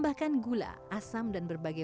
tapi khasiatnya luar biasa